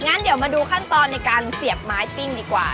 งั้นเดี๋ยวมาดูขั้นตอนในการเสียบไม้ปิ้งดีกว่า